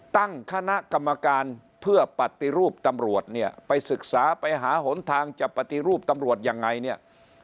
ตั้งคณะกรรมการเพื่อปฏิรูปตำรวจเนี่ยไปศึกษาไปหาหนทางจะปฏิรูปตำรวจยังไงเนี่ย